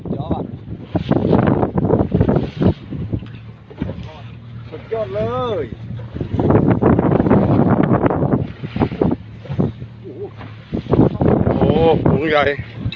เทปน้ำตับ